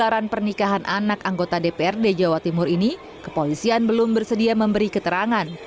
dan pernikahan anak anggota dprd jawa timur ini kepolisian belum bersedia memberi keterangan